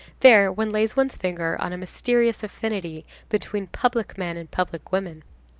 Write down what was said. There one lays one's finger on a mysterious affinity between public men and public women.